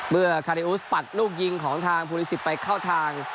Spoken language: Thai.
เมื่อคาริอูสปัดลูกยิงของทางภูริสิตไปเข้าทาง